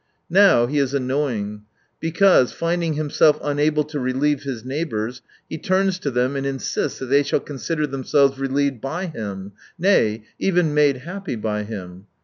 Now he is annoying, because, finding himself unable to relieve his neighbours, he turns to them and insists that they shall consider themselves relieved by him, nay, even made happy by him.